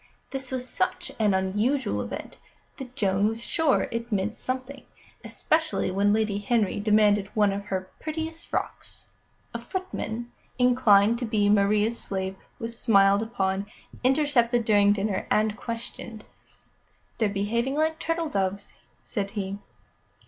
This was such an unusual event that Joan was sure it meant something, especially when Lady Henry demanded one of her prettiest frocks. A footman, inclined to be Maria's slave, was smiled upon, intercepted during dinner, and questioned. "They're behaving like turtle doves," said he.